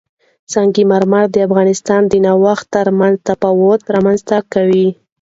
سنگ مرمر د افغانستان د ناحیو ترمنځ تفاوتونه رامنځ ته کوي.